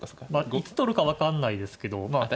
いつ取るか分かんないですけど。